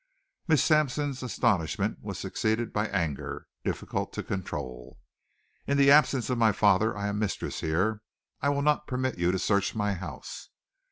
Miss Sampson's astonishment was succeeded by anger difficult to control. "In the absence of my father I am mistress here. I will not permit you to search my house."